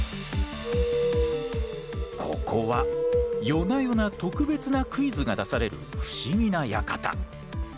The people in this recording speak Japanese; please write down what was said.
ここは夜な夜な特別なクイズが出される不思議な館。